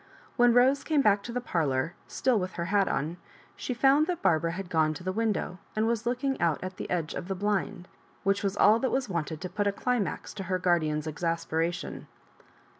When Bose came back to the parlour, still with her hat on, she found that Barbara had gone to the window, and was looking out at the edge of the blind— which was all that was wanted to put a climax to her guardian's exasperation.